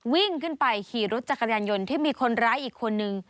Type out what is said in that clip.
วิ่งขึ้นไปขี่รถจักรยานยนต์ที่มีคนร้ายอีกคนนึง